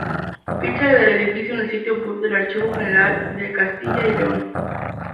Ficha del edificio en el sitio web del Archivo General de Castilla y León